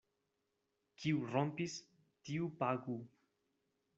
Kiu rompis, tiu pagu.